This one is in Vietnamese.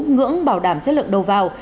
ngưỡng bảo đảm chất lượng đầu vào